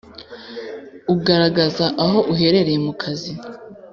ugaragaza aho aherereye mu kazi